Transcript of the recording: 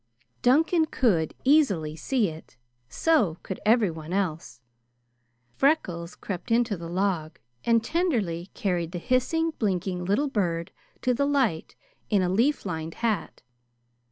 Duncan could easily see it; so could everyone else. Freckles crept into the log and tenderly carried the hissing, blinking little bird to the light in a leaf lined hat.